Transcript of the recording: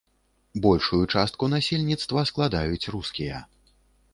Большую частку насельніцтва складаюць рускія.